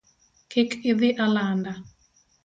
Kik idhi alanda